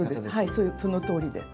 はいそのとおりです。